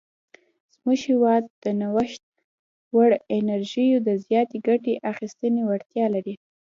زموږ هیواد د نوښت وړ انرژیو د زیاتې ګټې اخیستنې وړتیا لري.